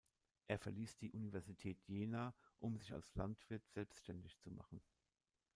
Er verließ die Universität Jena, um sich als Landwirt selbständig zu machen.